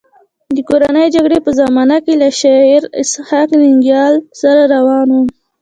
د کورنۍ جګړې په زمانه کې له شاعر اسحق ننګیال سره روان وم.